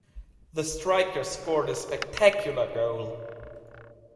The striker scored a spectacular goal.